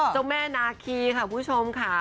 เจ้าแม่นาคีค่ะคุณผู้ชมค่ะ